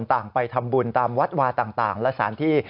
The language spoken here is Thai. ต่างไปทำบุญตามวัดวาต่างและสถานที่